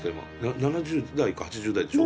７０代か８０代でしょ？